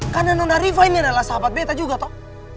karena nona rifa ini adalah sahabat beta juga toh